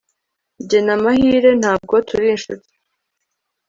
jye na muhire ntabwo turi inshuti